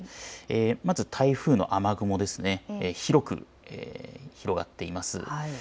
まず台風の雨雲、広く広がっています。